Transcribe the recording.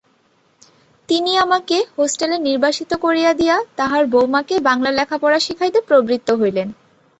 তিনি আমাকে হস্টেলে নির্বাসিত করিয়া দিয়া তাঁহার বউমাকে বাংলা লেখাপড়া শিখাইতে প্রবৃত্ত হইলেন।